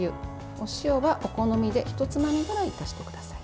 お塩はお好みでひとつまみぐらい足してください。